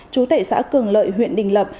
chú tệ xã cường lợi huyện đình lập